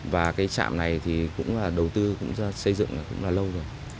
và trạm này đầu tư xây dựng cũng là lâu rồi